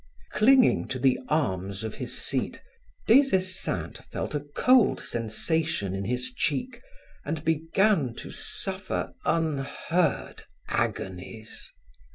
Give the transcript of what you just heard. Clinging to the arms of his seat, Des Esseintes felt a cold sensation in his cheek, and began to suffer unheard agonies.